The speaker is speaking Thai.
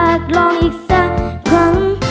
อยากลองอีกสักครั้ง